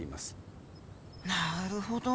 なるほど。